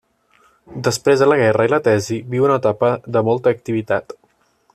Després de la guerra i la tesi, viu una etapa de molta activitat.